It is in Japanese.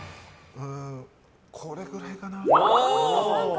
これぐらいかな。